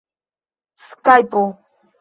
skajpo